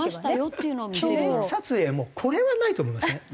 記念撮影もこれはないと思いません？